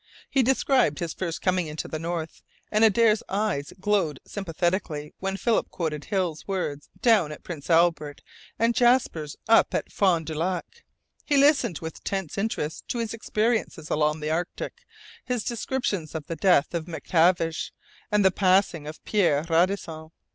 He described his first coming into the North, and Adare's eyes glowed sympathetically when Philip quoted Hill's words down at Prince Albert and Jasper's up at Fond du Lac. He listened with tense interest to his experiences along the Arctic, his descriptions of the death of MacTavish and the passing of Pierre Radisson.